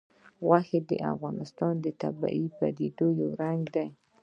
غوښې د افغانستان د طبیعي پدیدو یو رنګ دی.